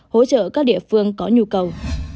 hỗ trợ các địa phương có nhu cầu